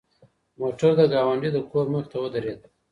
موټر د ګاونډي د کور مخې ته ودرېد.